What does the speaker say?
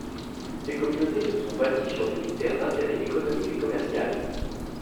Ces communautés se sont bâties sur des critères d'intérêt économique et commercial.